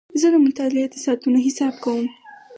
زه د مطالعې د ساعتونو حساب کوم.